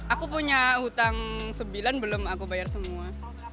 aku punya hutang sembilan belum aku bayar semua